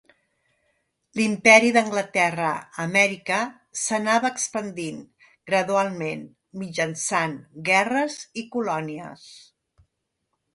L'imperi d'Anglaterra a Amèrica s'anava expandint gradualment mitjançant guerres i colònies.